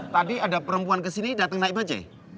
tadi ada perempuan kesini datang naik bajai